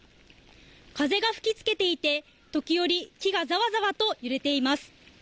風が吹きつけていて時折、木がざわざわと揺れています。